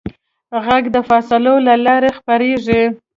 غږ د فاصلو له لارې خپرېږي.